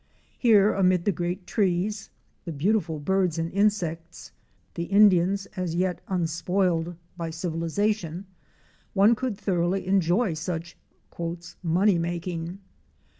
Here, amid the great trees, the beautiful birds and insects, the Indians as yet unspoiled by civilization, one could thoroughly enjoy such "money making.